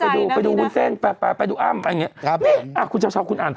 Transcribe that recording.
ไปดูไปดูไปดูอ้ำอย่างเงี้ยครับนี่อ่ะคุณเจ้าชอบคุณอ่านต่อ